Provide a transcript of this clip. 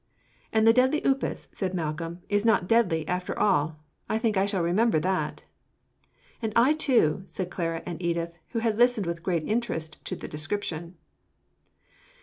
"And the deadly upas," said Malcolm, "is not deadly, after all! I think I shall remember that." "And I too," said Clara and Edith, who had listened with great interest to the description.